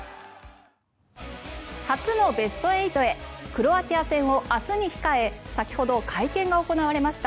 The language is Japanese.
初のベスト８へクロアチア戦を明日に控え先ほど会見が行われました。